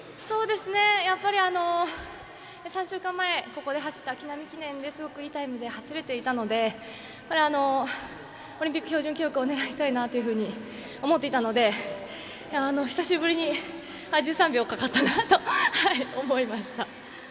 やっぱり３週間前ここで走った木南記念ですごくいいタイムで走れていたのでオリンピック標準記録を狙いたいなと思っていたので久しぶりに１３秒かかったなと思いました。